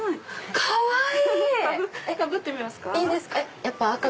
かわいい！